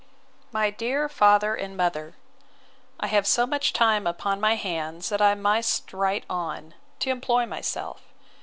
MY DEAR FATHER AND MOTHER, I have so much time upon my hands that I must write on, to employ myself.